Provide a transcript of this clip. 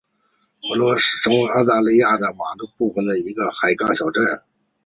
伯尔尼为澳大利亚塔斯马尼亚州西北部的一个海港小镇。